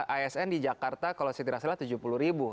asn di jakarta kalau si tirasella tujuh puluh ribu